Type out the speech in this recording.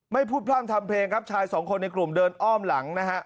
ไม่พูดพร่ำทำเพลงครับชายสองคนในกลุ่มเดินอ้อมหลังนะฮะ